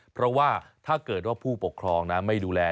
เพราะว่าถ้าเกิดว่าผู้ปกครองไม่ดูแล